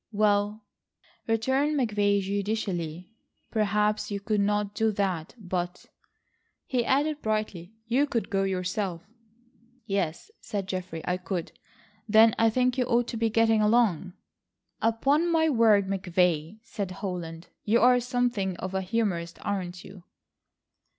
"Well," returned McVay judicially, "perhaps you could not do that, but," he added brightly, "you could go yourself." "Yes," said Geoffrey, "I could—" "Then I think you ought to be getting along." "Upon my word, McVay," said Holland, "you are something of a humorist, aren't you?"